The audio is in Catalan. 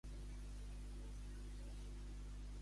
Què s'hi va publicar amb relació al negoci Llabrès?